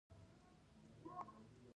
زه ورته تل په زړه کې د زړه له تله دعا کوم.